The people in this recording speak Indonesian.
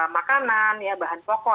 makanan bahan pokok